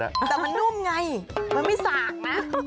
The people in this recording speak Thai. แต่มันนุ่มไงมันไม่สากนะ